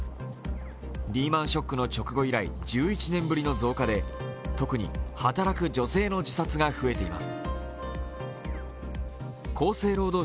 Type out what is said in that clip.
リーマン・ショックの直後以来１１年ぶりの増加で、特に働く女性の自殺が増えています。